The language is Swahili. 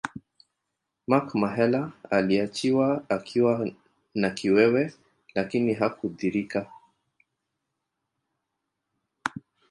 Mark Mahela aliachiwa akiwa na kiwewe lakini hakudhurika